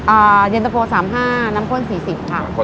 อ่าเย็นตะโฟ๓๕น้ำโค้น๔๐ค่ะ